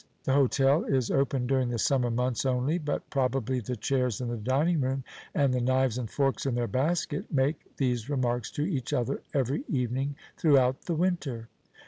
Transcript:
The hotel is open during the summer months only, but probably the chairs in the dining room and the knives and forks in their basket make these remarks to each other every evening throughout the winter.